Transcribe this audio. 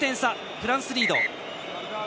フランスリード。